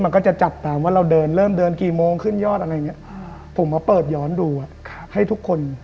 มันก็จะจับตามว่าเราเดินเริ่มเดินกี่โมงขึ้นยอดอะไรอย่างนี้ผมมาเปิดย้อนดูให้ทุกคน